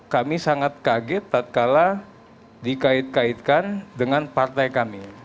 kami sangat kaget tak kalah dikait kaitkan dengan partai kami